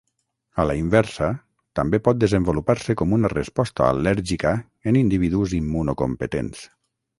A la inversa, també pot desenvolupar-se com una resposta al·lèrgica en individus immunocompetents.